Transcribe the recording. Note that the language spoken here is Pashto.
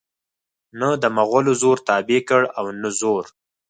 نه دمغلو زور تابع کړ او نه زرو